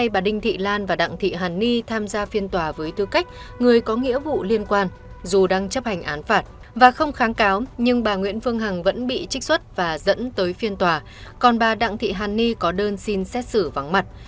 bà đinh thị lan người có nghĩa vụ liên quan tới vụ án kháng cáo toàn bộ bản án và không tách vụ án để xử lý riêng